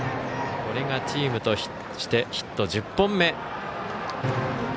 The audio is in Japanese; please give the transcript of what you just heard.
これがチームとしてヒット１０本目。